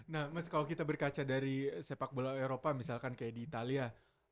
nah mas kalau kita berkaca dari sepak bola eropa misalkan kayak di italia